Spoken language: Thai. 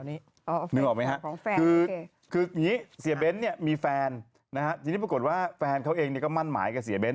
นึกออกไหมครับคือเสียเบนท์มีแฟนทีนี้ปรากฏว่าแฟนเขาเองมั่นหมายกับเสียเบนท์